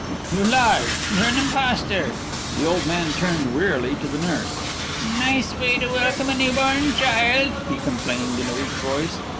"You lie! You're an impostor!" The old man turned wearily to the nurse. "Nice way to welcome a new born child," he complained in a weak voice.